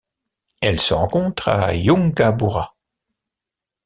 Elle se rencontre à Yungaburra.